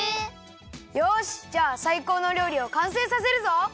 よしじゃあさいこうのりょうりをかんせいさせるぞ！